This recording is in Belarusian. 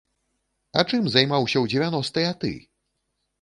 А чым займаўся ў дзевяностыя ты?